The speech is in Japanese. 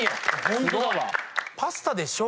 ホントだわ。